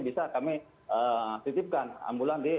bisa kami titipkan ambulan di